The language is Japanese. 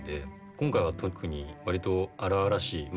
今回は特に割と荒々しいま